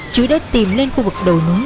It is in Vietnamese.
trứ đã tìm lên khu vực đầu núi